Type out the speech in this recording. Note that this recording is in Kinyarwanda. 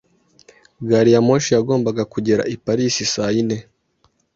Gari ya moshi yagombaga kugera i Paris saa yine.